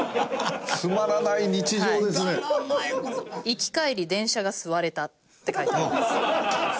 「行き帰り電車が座れた」って書いてあります。